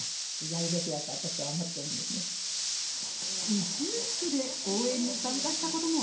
宇宙服で応援に参加したことも。